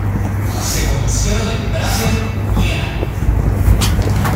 Se conocieron en Prater, Viena.